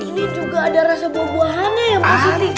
ini juga ada rasa buah buahannya yang pasti